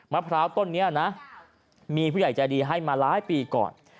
มะพร้าวต้นนี้นะมีผู้ใหญ่ใจดีให้มาหลายปีก่อน